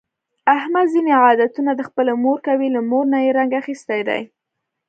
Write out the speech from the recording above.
احمد ځني عادتونه د خپلې مور کوي، له مور نه یې رنګ اخیستی دی.